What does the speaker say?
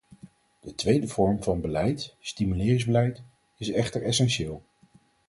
De tweede vorm van beleid - stimuleringsbeleid - is echter essentieel.